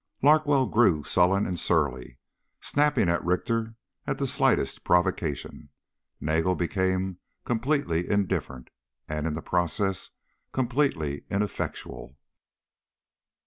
Larkwell grew sullen and surly, snapping at Richter at the slightest provocation. Nagel became completely indifferent, and in the process, completely ineffectual.